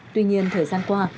tuy nhiên thời gian qua